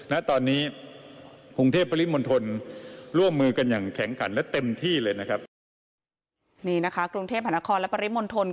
และตอนนี้กรุงเทพฯหานครและปริศมนตร